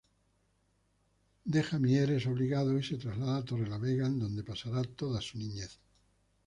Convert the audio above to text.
Deja Mieres obligado y se trasladan a Torrelavega en dónde pasará toda su niñez.